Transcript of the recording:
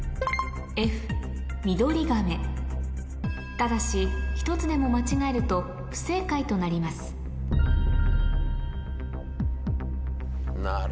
ただし１つでも間違えると不正解となりますなる